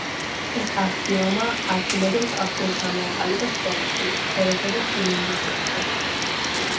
ეს აქსიომა არქიმედემ მკაფიოდ ჩამოაყალიბა შრომაში „სფეროსა და ცილინდრის შესახებ“.